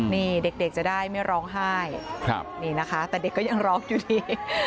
นี่เด็กจะได้ไม่ร้องไห้นี่นะคะแต่เด็กก็ยังร้องอยู่ดี